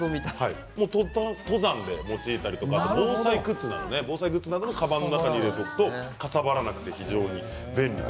登山や防災グッズなどかばんの中に入れておくとかさばらなくて非常に便利。